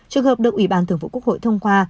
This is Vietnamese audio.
trường hợp được ủy ban thường vụ quốc hội thông qua